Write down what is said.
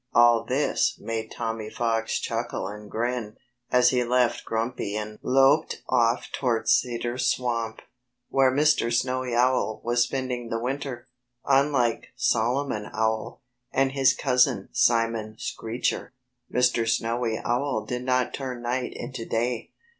All this made Tommy Fox chuckle and grin, as he left Grumpy and loped off towards Cedar Swamp, where Mr. Snowy Owl was spending the winter. Unlike Solomon Owl, and his cousin Simon Screecher, Mr. Snowy Owl did not turn night into day.